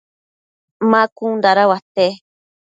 ma cun dada uate ?